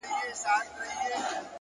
هره ورځ د نوې هڅې بلنه ده.